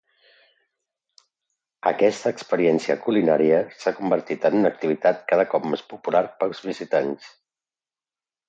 Aquesta experiència culinària s'ha convertit en una activitat cada cop més popular per als visitants.